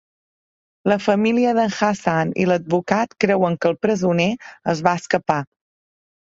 La família d'en Hassan i l'advocat creuen que el presoner es va escapar.